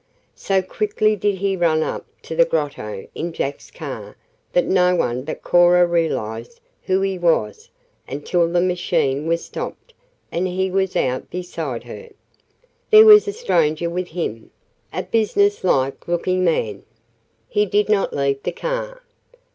So quickly did he run up to the Grotto in Jack's car that no one but Cora realized who he was until the machine was stopped and he was out beside her. There was a stranger with him a business like looking man. He did not leave the car.